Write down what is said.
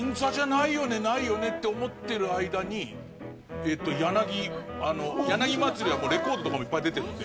ないよね？って思ってる間に柳柳まつりはレコードとかもいっぱい出てるんで。